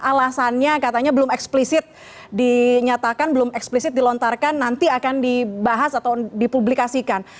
alasannya katanya belum eksplisit dinyatakan belum eksplisit dilontarkan nanti akan dibahas atau dipublikasikan